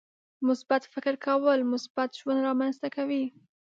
• مثبت فکر کول، مثبت ژوند رامنځته کوي.